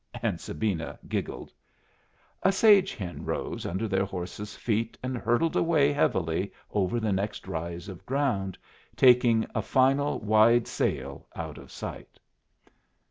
and Sabina giggled. A sage hen rose under their horses' feet, and hurtled away heavily over the next rise of ground, taking a final wide sail out of sight.